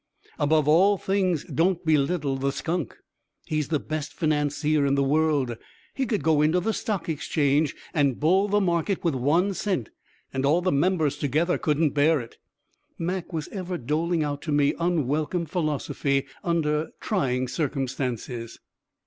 "Above all things, don't belittle the skunk; he's the best financier in the world. He could go into the Stock Exchange and bull the market with one scent, and all the members together couldn't bear it." Mac was ever doling out to me unwelcome philosophy under trying circumstances.